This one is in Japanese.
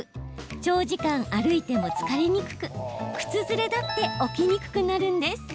長時間歩いても疲れにくく靴ずれだって起きにくくなるんです。